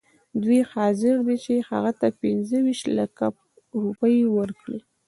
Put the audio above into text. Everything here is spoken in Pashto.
دوی حاضر دي هغه ته پنځه ویشت لکه روپۍ ورکړي.